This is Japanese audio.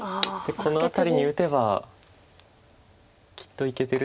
この辺りに打てばきっといけてるでしょうと。